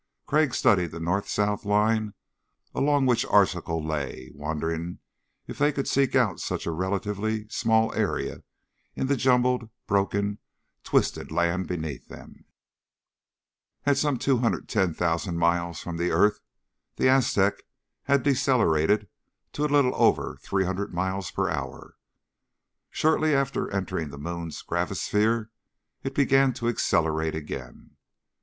Crag studied the north south line along which Arzachel lay, wondering again if they could seek out such a relatively small area in the jumbled, broken, twisted land beneath them. At some 210,000 miles from earth the Aztec had decelerated to a little over 300 miles per hour. Shortly after entering the moon's gravisphere it began to accelerate again.